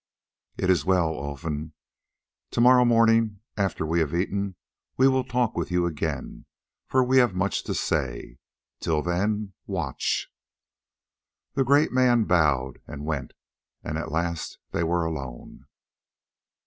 "It is well, Olfan. To morrow morning, after we have eaten, we will talk with you again, for we have much to say. Till then, watch!" The great man bowed and went, and at last they were alone.